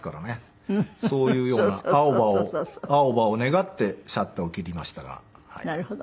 そういうような青葉を青葉を願ってシャッターを切りましたが。